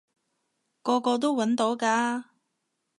個個都搵到㗎